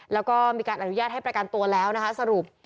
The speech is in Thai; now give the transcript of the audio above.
แล้วก็มีการอนุญาตให้ประกันตัวแล้วนะคะสรุป